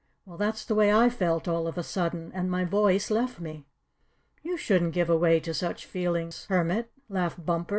Well, that's the way I felt all of a sudden, and my voice left me." "You shouldn't give away to such feelings, Hermit," laughed Bumper.